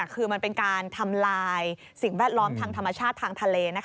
คือมันเป็นการทำลายสิ่งแวดล้อมทางธรรมชาติทางทะเล